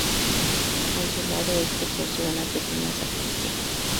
En su lado Este posee una pequeña sacristía.